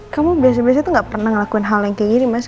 kamu biasa biasa tuh gak pernah ngelakuin hal yang kayak gini mas